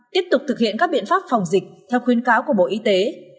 tiếp tục thực hiện các biện pháp phòng dịch theo khuyến cáo của bộ y tế